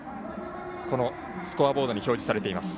スコアボードに表示されています。